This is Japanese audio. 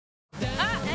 あっ！！！え？？